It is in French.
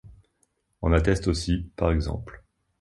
En atteste aussi p. ex.